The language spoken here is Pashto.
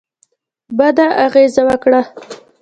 بده اغېزه وکړه.